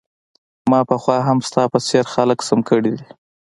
ما پخوا هم ستا په څیر خلک سم کړي دي